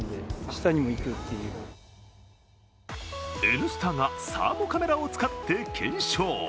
「Ｎスタ」がサーモカメラを使って検証。